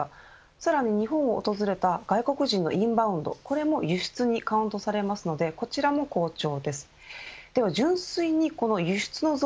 さらに、日本を訪れた外国人のインバウンド、これも輸出にカウントされますのでこちらも好調です。